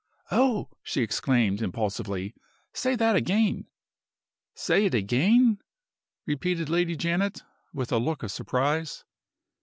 "Oh!" she exclaimed, impulsively. "Say that again!" "Say it again?" repeated Lady Janet, with a look of surprise.